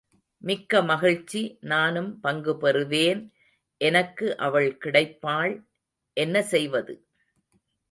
மிக்க மகிழ்ச்சி நானும் பங்கு பெறுவேன் எனக்கு அவள் கிடைப்பாள் என்ன செய்வது?